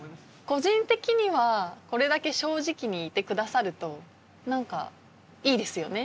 個人的にはこれだけ正直にいてくださると何かいいですよね。